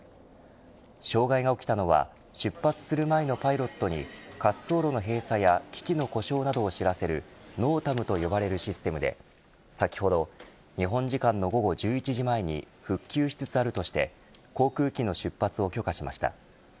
障害が起きたのは出発する前のパイロットに滑走路の閉鎖や機器の故障などを知らせるＮＯＴＡＭと呼ばれるシステムで先ほど日本時間の午後１１時前に復旧しつつあるとして航空機の出発を許可しました。